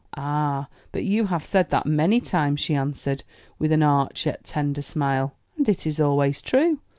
"Ah, but you have said that many times," she answered, with an arch, yet tender smile. "And it is always true.